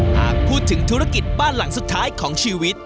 หากพูดถึงธุรกิจบ้านหลังสุดท้ายของชีวิต